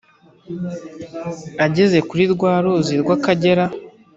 Ageze kuri rwa ruzi rw'akagera